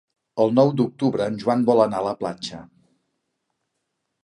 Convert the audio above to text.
El nou d'octubre en Joan vol anar a la platja.